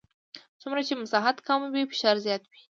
څومره چې مساحت کم وي فشار زیات وي.